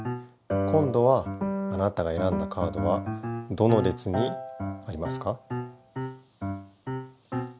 こんどはあなたがえらんだカードはどの列にありますか？